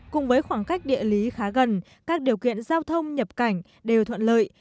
cùng với khoảng cách địa lý khá gần các điều kiện giao thông nhập cảnh đều thuận lợi